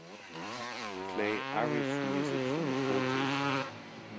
Play Arif music from the fourties.